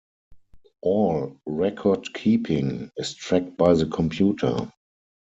All record-keeping is tracked by the computer.